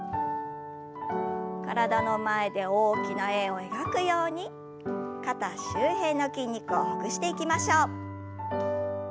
体の前で大きな円を描くように肩周辺の筋肉をほぐしていきましょう。